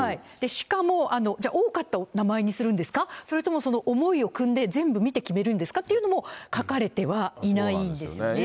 しかも、じゃあ、多かった名前にするんですか、それとも思いをくんで、全部見て決めるんですかっていうのも書かれてはいないんですよね。